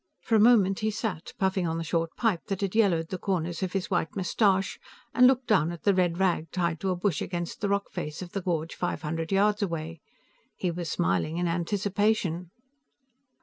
For a moment he sat, puffing on the short pipe that had yellowed the corners of his white mustache, and looked down at the red rag tied to a bush against the rock face of the gorge five hundred yards away. He was smiling in anticipation.